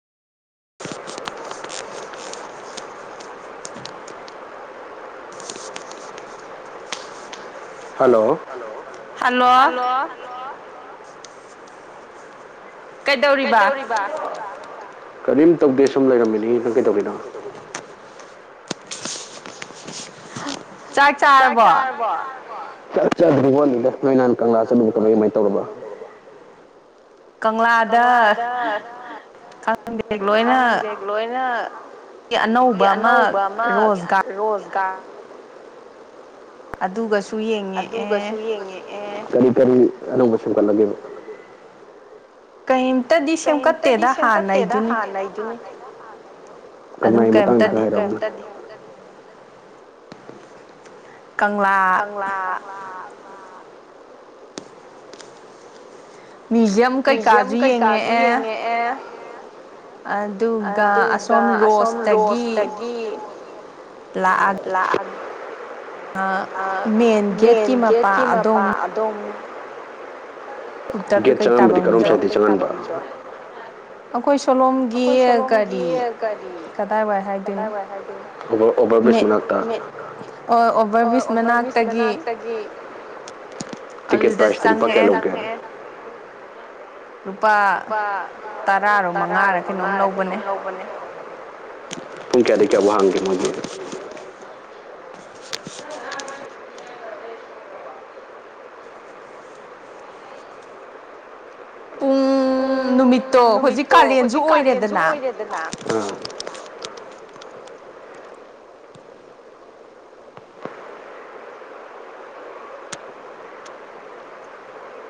[unintelligible] hello hello ꯀꯩꯗꯧꯔꯤꯕ ꯀꯔꯤꯝ ꯇꯧꯗꯦ ꯁꯨꯝ ꯂꯩꯔꯝꯃꯤꯅꯤ ꯅꯪ ꯀꯩꯗꯧꯔꯤꯅꯣ ꯆꯥꯛ ꯆꯥꯔꯕꯣ ꯆꯥꯛ ꯆꯥꯔꯕꯣ ꯆꯥꯛ ꯆꯥꯗ꯭ꯔꯤ ꯋꯥꯠꯂꯤꯗ ꯅꯣꯏ ꯅꯍꯥꯟ ꯀꯪꯂꯥ ꯆꯠꯂꯨꯕꯗꯣ ꯀꯃꯥꯏ ꯀꯃꯥꯏꯅ ꯇꯧꯔꯕ ꯀꯪꯂꯥꯗ ꯈꯪꯗꯦ ꯂꯣꯏꯅ ꯑꯅꯧꯕ ꯑꯃ ꯔꯣꯖꯒꯥꯔ ꯑꯗꯨꯒꯁꯨ ꯌꯦꯡꯉꯛꯑꯦ ꯑꯗꯨꯒꯁꯨ ꯌꯦꯛꯉꯦꯛꯑꯦ ꯀꯔꯤ ꯀꯔꯤ ꯑꯅꯧꯕ ꯁꯦꯝꯒꯠꯂꯒꯦ ꯀꯩꯝꯇꯗꯤ ꯁꯦꯝꯀꯠꯇꯦꯗ ꯍꯥꯟꯅꯩꯗꯨꯅꯤ ꯍꯥꯟꯅꯩ ꯑꯗꯨꯝ ꯀꯩꯝꯇꯗꯤ ꯀꯪꯂꯥ ꯖꯝ ꯀꯩꯀꯥꯁꯨ ꯌꯦꯡꯉꯦ ꯑꯦ ꯑꯗꯨꯒ ꯑꯁꯣꯝ ꯔꯣꯁꯇꯒꯤ ꯂꯥꯛ ꯃꯦꯟ ꯒꯦꯠꯀꯤ ꯃꯄꯥ ꯑꯗꯣꯝ ꯒꯦꯠ ꯆꯪꯉꯕꯗꯤ ꯀꯔꯣꯝ ꯁꯥꯏꯗ ꯆꯪꯉꯟꯕ ꯑꯩꯈꯣꯏ ꯁꯣꯂꯣꯝꯒꯤ ꯀꯒꯥꯔꯤ ꯀꯗꯥꯏꯋꯥꯏ ꯍꯥꯏꯗꯣꯏꯅꯣ ꯑꯣ ꯑꯣꯚꯔꯕ꯭ꯔꯤꯖ ꯃꯅꯥꯛꯇꯒꯤ ꯑꯗꯨꯗ ꯆꯪꯉꯦ ꯂꯨꯄꯥ ꯇꯔꯥꯔꯣ ꯃꯉꯥꯔ ꯀꯩꯅꯣꯝ ꯂꯧꯕꯅꯦ ꯄꯨꯡ ꯀꯌꯥꯗꯀꯌꯥ ꯋꯥꯍꯪꯒꯤꯃꯒꯦ ꯄꯨꯡ ꯅꯨꯃꯤ ꯇꯣ ꯍꯧꯖꯤꯛ ꯀꯥꯂꯦꯟꯁꯨ ꯑꯣꯏꯔꯦꯗꯅ